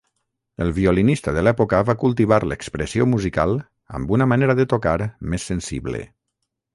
El violinista de l’època va cultivar l’expressió musical amb una manera de tocar més sensible.